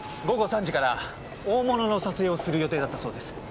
午後３時から大物の撮影をする予定だったそうです。